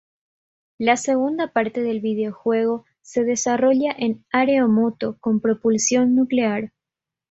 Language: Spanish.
La segunda parte del videojuego se desarrolla en aero-moto con propulsión nuclear.